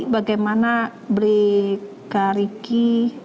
bagaimana berikar ricky